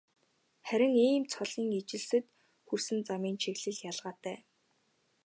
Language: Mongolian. Харин ийм цолын ижилсэлд хүрсэн замын чиглэл ялгаатай.